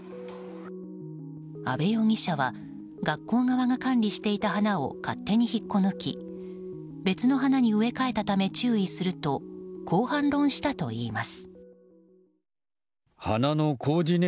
阿部容疑者は学校側が管理していた花を勝手に引っこ抜き別の花に植え替えたため注意するとこう反論したといいます。